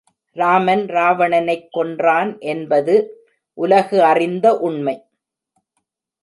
ராமன் ராவணனைக் கொன்றான் என்பது உலகு அறிந்த உண்மை.